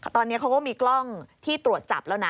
ตอนนี้เขาก็มีกล้องที่ตรวจจับแล้วนะ